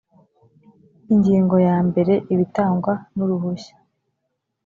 ingingo ya mbere ibitangwa n uruhushya